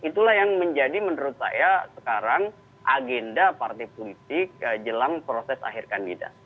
itulah yang menjadi menurut saya sekarang agenda partai politik jelang proses akhir kandidat